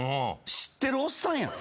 知ってるおっさんやん。